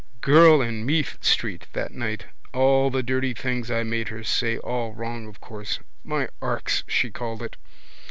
Girl in Meath street that night. All the dirty things I made her say. All wrong of course. My arks she called it.